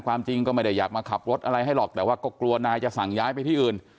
ความจริงก็ไม่ได้อยากมาขับรถอะไรให้หรอกแต่ว่าก็กลัวนายจะสั่งย้ายไปที่อื่น